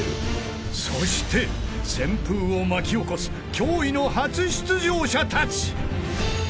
［そして旋風を巻き起こす驚異の初出場者たち］